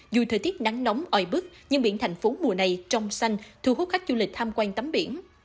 dù thời tiết nắng nóng oi bức nhưng biển thành phố mùa này trong xanh thu hút khách du lịch tham quan tắm biển